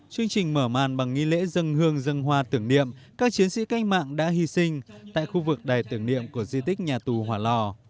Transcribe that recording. chương trình mở màn bằng nghi lễ dân hương dân hoa tưởng niệm các chiến sĩ canh mạng đã hy sinh tại khu vực đài tưởng niệm của di tích nhà tù hỏa lò